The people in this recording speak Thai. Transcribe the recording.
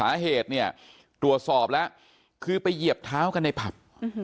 อายุ๑๐ปีนะฮะเขาบอกว่าเขาก็เห็นถูกยิงนะครับ